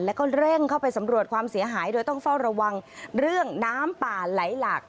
แล้วก็เร่งเข้าไปสำรวจความเสียหายโดยต้องเฝ้าระวังเรื่องน้ำป่าไหลหลาก